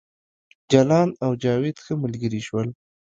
جلان او جاوید ښه ملګري شول